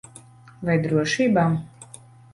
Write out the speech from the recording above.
Vai drošībā?